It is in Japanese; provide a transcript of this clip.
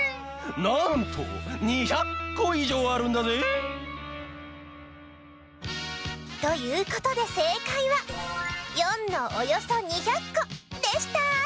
なんと２００こいじょうあるんだぜ！ということでせいかいは④のおよそ２００こでした！